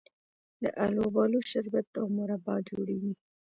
د الوبالو شربت او مربا جوړیږي.